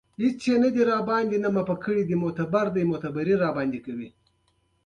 مېله د ټولنیزو اړیکو پیاوړتیا ته لاره هواروي.